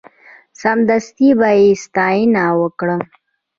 سمدستي به یې ستاینه وکړه.